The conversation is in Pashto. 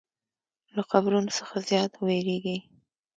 له قبرونو څخه زیات ویریږي.